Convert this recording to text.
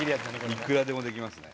いくらでもできますね。